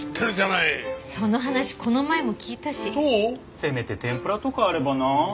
せめて天ぷらとかあればなあ。